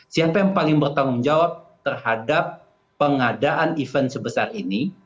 siapa yang paling bertanggung jawab terhadap pengadaan event sebesar ini